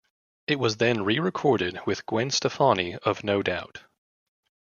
It was then re-recorded with Gwen Stefani of No Doubt.